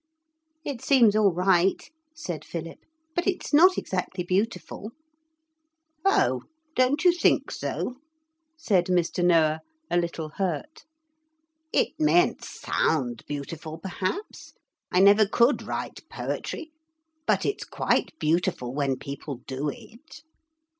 "' 'It seems all right,' said Philip, 'but it's not exactly beautiful.' 'Oh, don't you think so?' said Mr. Noah, a little hurt; 'it mayn't sound beautiful perhaps I never could write poetry but it's quite beautiful when people do it.'